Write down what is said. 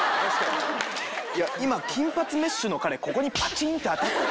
いや今金髪メッシュの彼ここにパチンって当たってた。